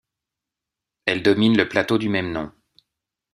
Elle domine le plateau du même nom.